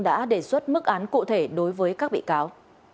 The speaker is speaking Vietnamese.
đã đề xuất mức án cụ thể đối với các bị cáo